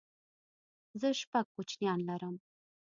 زه شپږ کوچنيان لرم